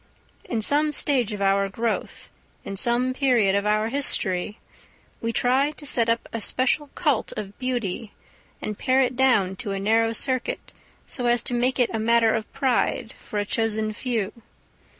In some stage of our growth, in some period of our history, we try to set up a special cult of beauty, and pare it down to a narrow circuit, so as to make it a matter of pride for a chosen few.